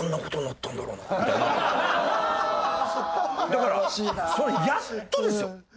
だからそれやっとですよ。